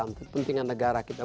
untuk kepentingan negara kita